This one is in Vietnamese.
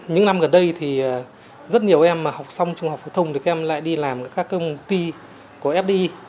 những năm gần đây thì rất nhiều em mà học xong trung học phổ thông thì các em lại đi làm các công ty của fdi